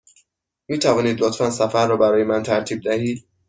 می توانید لطفاً سفر را برای من ترتیب دهید؟